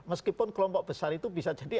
meskipun kelompok besar itu bisa jadi